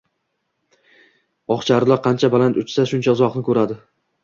oqcharloq qancha baland uchsa, shuncha uzoqni ko‘radi.